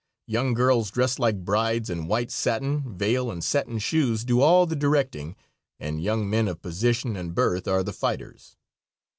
Young girls dressed like brides in white satin, veil and satin shoes, do all the directing, and young men of position and birth are the fighters.